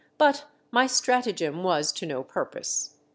But my strata gem was to no purpose.